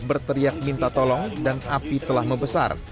berteriak minta tolong dan api telah membesar